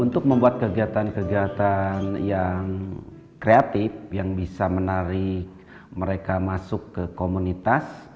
untuk membuat kegiatan kegiatan yang kreatif yang bisa menarik mereka masuk ke komunitas